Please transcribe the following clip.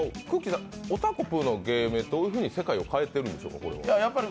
さん、おたこぷーの芸名はどういうふうに世界を変えてるんでしょうか？